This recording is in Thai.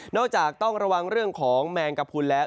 จากต้องระวังเรื่องของแมงกระพุนแล้ว